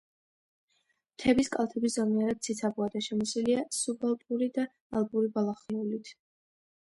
მთების კალთები ზომიერად ციცაბოა და შემოსილია სუბალპური და ალპური ბალახეულით.